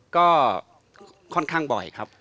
ก็ค่อนข้างบ่อยครับ